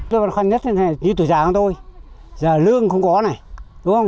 tôi khó khăn nhất là như tuổi già của tôi giờ lương không có này đúng không